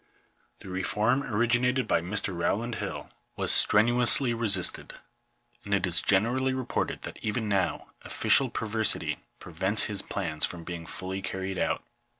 The reform origi nated by Mr. Rowland Hill was strenuously resisted ; and it is generally reported that even now, official perversity prevents his plans from being fully carried out.